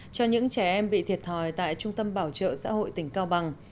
cho những trẻ em bị thiệt thòi tại trung tâm bảo trợ xã hội tỉnh cao bằng